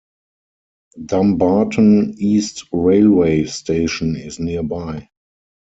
Dumbarton East railway station is nearby.